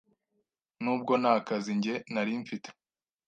nubwo nta kazi jye nari mfite,